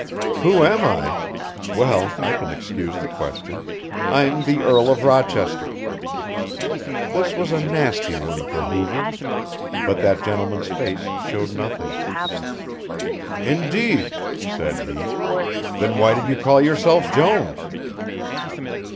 "Who am I? Well, I can excuse the question. I'm the Earl of Rochester." This was a nasty one for Hoover, but that gentleman's face shewed nothing. "Indeed," said he, "then why did you call yourself Jones?"